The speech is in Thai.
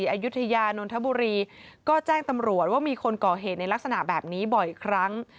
อายุทยานนทบุรีก็แจ้งตำรวจว่ามีคนก่อเหตุในลักษณะแบบนี้บ่อยครั้ง